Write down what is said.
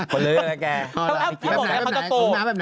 คนละเลือกนะแกแป๊บไหนแป๊บไหนหุ่นน้ำแบบไหน